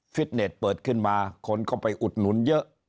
เน็ตเปิดขึ้นมาคนก็ไปอุดหนุนเยอะ